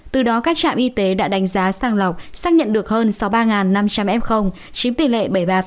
từ đó các trạm y tế đã đánh giá sang lọc xác nhận được hơn sáu mươi ba năm trăm linh f chiếm tỷ lệ bảy mươi ba